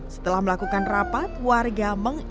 setelah melakukan rapat warga